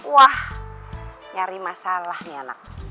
wah nyari masalah nih anak